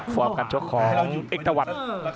ฟอร์มการชกของเอ็กตะวัน